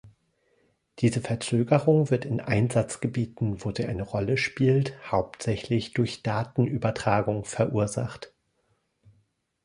Diese Verzögerung wird in Einsatzgebieten wo sie eine Rolle spielt hauptsächlich durch Datenübertragung verursacht.